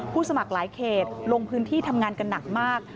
สมัครหลายเขตลงพื้นที่ทำงานกันหนักมาก